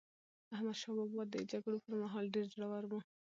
احمدشاه بابا د جګړو پر مهال ډېر زړور و.